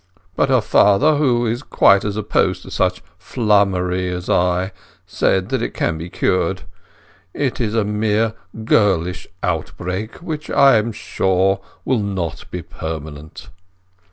But her father, who is quite as opposed to such flummery as I, says that can be cured. It is a mere girlish outbreak which, I am sure, will not be permanent."